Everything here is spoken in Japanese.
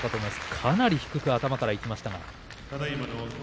かなり低く頭からいきましたが